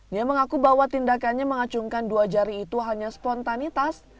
dia mengaku bahwa tindakannya mengacungkan dua jari itu hanya spontanitas